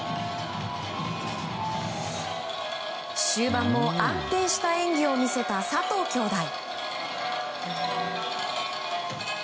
終盤も安定した演技を見せた佐藤姉弟。